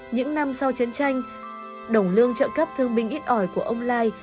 những năm sau chiến tranh đồng lương trợ cấp thương binh ít ỏi của ông lai